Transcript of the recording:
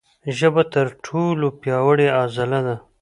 ژبه تر ټولو پیاوړې عضله ده.